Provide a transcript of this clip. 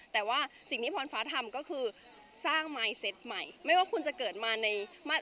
แต่ว่าสิ่งที่พรฟ้าทำก็คือสร้างไมค์เซ็ตใหม่ไม่ว่าคุณจะเกิดมาในมาตร